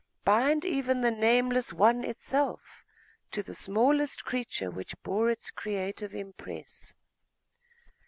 bind even the nameless One itself to the smallest creature which bore its creative impress?